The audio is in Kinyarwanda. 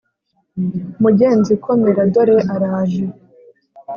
Mugenzi komera dore araje